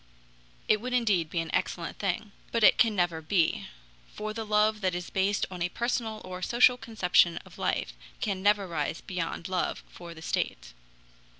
It would indeed be an excellent thing. But it can never be, for the love that is based on a personal or social conception of life can never rise beyond love for the state.